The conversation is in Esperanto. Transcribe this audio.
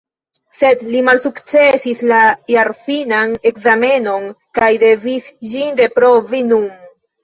Sed li malsukcesis la jarfinan ekzamenon kaj devis ĝin reprovi nun.